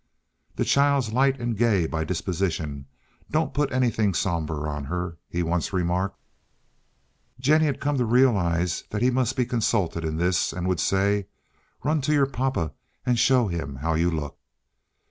"That child's light and gay by disposition. Don't put anything somber on her," he once remarked. Jennie had come to realize that he must be consulted in this, and would say, "Run to your papa and show him how you look."